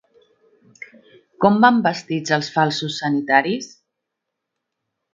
Com van vestits els falsos sanitaris?